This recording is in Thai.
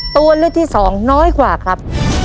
ตัวเลือกที่สองน้อยกว่าครับ